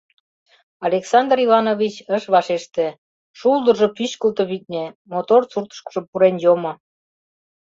Александр Иванович ыш вашеште, шулдыржо пӱчкылтӧ, витне, мотор суртышкыжо пурен йомо.